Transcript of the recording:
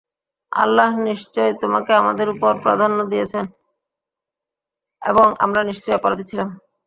আল্লাহ নিশ্চয় তোমাকে আমাদের উপর প্রাধান্য দিয়েছেন এবং আমরা নিশ্চয়ই অপরাধী ছিলাম।